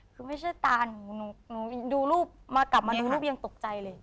คือไม่ใช่ตาหนูหนูดูรูปมากลับมาดูรูปยังตกใจเลย